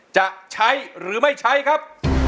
จะใช้หรือไม่ใช้ครับ